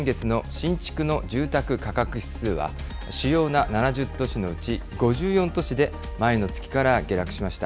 中国の先月の新築の住宅価格指数は、主要な７０都市のうち５４都市で前の月から下落しました。